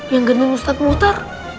hah yang gandum ustadz mutar